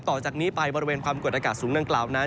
ต่อจากนี้ไปบริเวณความกดอากาศสูงดังกล่าวนั้น